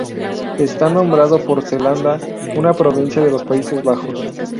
Está nombrado por Zelanda, una provincia de los Países Bajos.